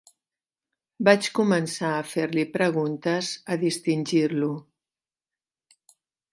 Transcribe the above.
Vaig començar a fer-li preguntes, a distingir-lo